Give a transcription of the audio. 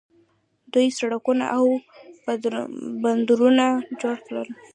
دوی سړکونه او بندرونه جوړ کړل.